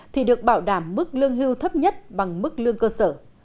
thì được bảo đảm mức lương hưu thấp nhất bằng mức lương cơ sở